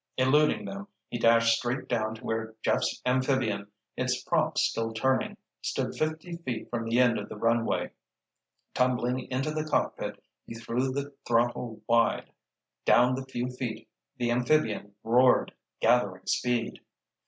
Eluding them, he dashed straight down to where Jeff's amphibian, its prop still turning, stood fifty feet from the end of the runway. Tumbling into the cockpit, he threw the throttle wide. Down the few feet the amphibian roared, gathering speed.